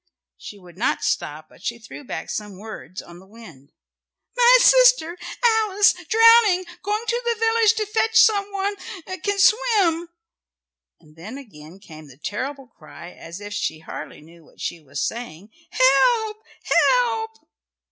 She would not stop, but she threw back some words on the wind. "My sister Alice drowning. Going to the village to fetch some one can swim." And then again came the terrible cry, as if she hardly knew what she was saying, "Help, help!"